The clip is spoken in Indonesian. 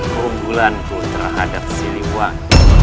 keunggulanku terhadap siliwang